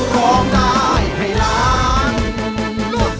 ร้องได้ให้ร้อง